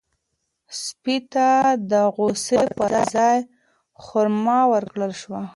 سپي ته د غوښې پر ځای خورما ورکړل شوه.